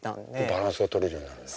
バランスが取れるようになるんだ。